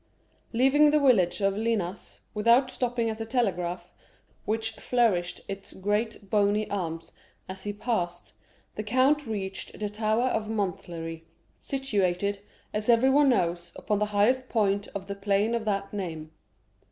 Leaving the village of Linas, without stopping at the telegraph, which flourished its great bony arms as he passed, the count reached the tower of Montlhéry, situated, as everyone knows, upon the highest point of the plain of that name.